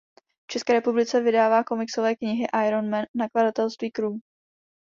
V České republice vydává komiksové knihy Iron Man nakladatelství Crew.